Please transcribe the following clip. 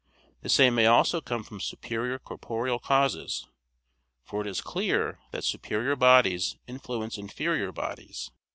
The same may also come from superior corporeal causes. For it is clear that superior bodies influence inferior bodies.